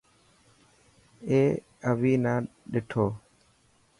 اي اوئي نا ڏٺو.